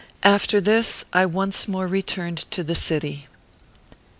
After this I once more returned to the city.